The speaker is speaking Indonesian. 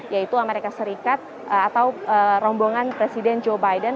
yaitu amerika serikat atau rombongan presiden joe biden